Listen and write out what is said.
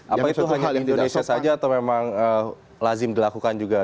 apa itu hanya di indonesia saja atau memang lazim dilakukan juga